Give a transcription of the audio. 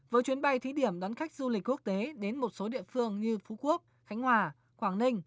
với chuyến bay thí điểm đón khách du lịch quốc tế đến một số địa phương như phú quốc khánh hòa quảng ninh